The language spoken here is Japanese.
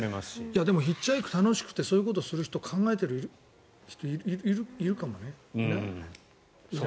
でもヒッチハイク楽しくてそういうことを考えている人、いるかもね。